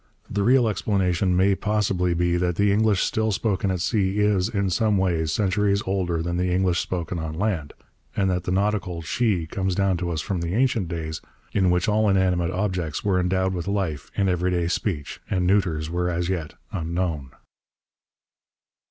The real explanation may possibly be that the English still spoken at sea is, in some ways, centuries older than the English spoken on land, and that the nautical 'she' comes down to us from the ancient days in which all inanimate objects were endowed with life in everyday speech and neuters were as yet unknown.